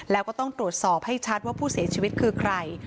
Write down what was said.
แล้วก็ต้องตรวจสอบให้ชัดว่าผู้เสียชีวิตคือใคร